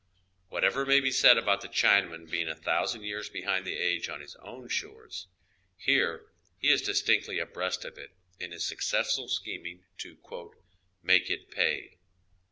Whatever may be said about tlie Chinaman being a thousand years beliind the age on ]iis own slioree, here he is distinctly abreast of it in his successful scljeming to " make it pay."